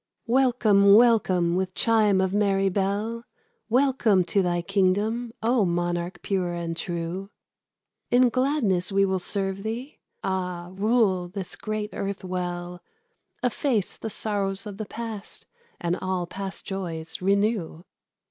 Welcome, welcome, with chime of merry bell, Welcome to thy kingdom, O monarch pure and true! In gladness we will serve thee. Ah! rule this great earth well; Efface the sorrows of the past, and all past joys renew.